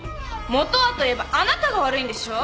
本はといえばあなたが悪いんでしょ。